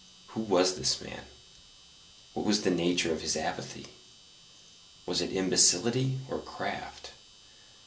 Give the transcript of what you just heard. Who was this man? what was the nature of his apathy? was it imbecility or craft?